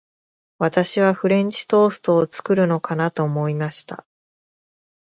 私はフレンチトーストを作るのかなと思いました。